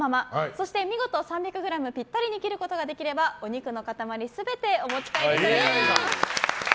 そして見事３００ｇぴったりに切ることができればお肉の塊全てお持ち帰りいただけます。